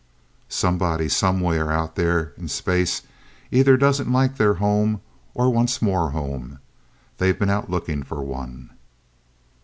"Somebody, somewhere out there in space, either doesn't like their home, or wants more home. They've been out looking for one.